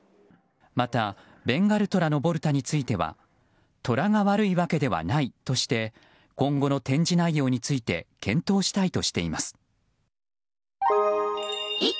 また、ベンガルトラのボルタについてはトラが悪いわけではないとして今後の展示内容について検討したいとしています。